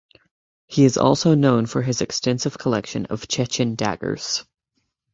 He is also known for his extensive collection of Chechen daggers.